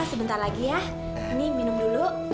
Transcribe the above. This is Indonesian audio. sebentar lagi ya ini minum dulu